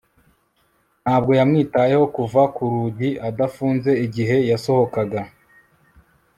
ntabwo yamwitayeho kuva ku rugi adafunze igihe yasohokaga